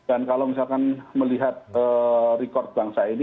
dan kalau misalkan melihat rekod bangsa ini